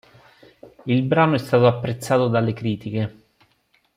Il brano è stato apprezzato dalle critiche.